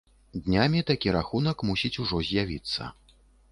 Днямі такі рахунак мусіць ужо з'явіцца.